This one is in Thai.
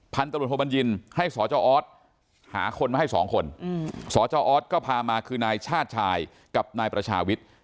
พันธมโธปัญญินให้สอศหาคนมาให้สองคนสอศก็พามาคืนายชาติชายกับนายประชาวิท